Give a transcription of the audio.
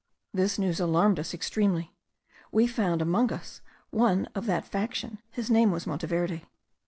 This news alarmed us extremely; we found among us one of that faction; his name was Monteverde.